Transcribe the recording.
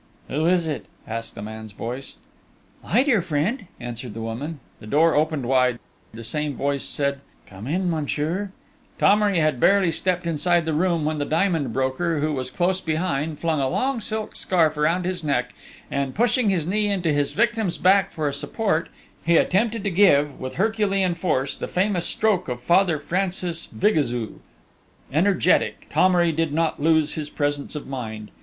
"Who is it?" asked a man's voice. "I, dear friend," answered the woman. The door opened wide: the same voice said: "Come in, monsieur." Thomery had barely stepped inside the room, when the diamond broker, who was close behind, flung a long silk scarf round his neck, and, pushing his knee into his victim's back for a support, he attempted to give, with Herculean force, the famous stroke of Father Francis Vigozous; energetic, Thomery did not lose his presence of mind....